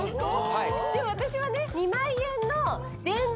はいでも私はね